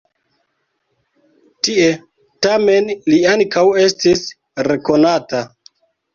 Tie, tamen, li ankaŭ estis rekonata.